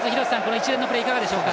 一連のプレーいかがですか？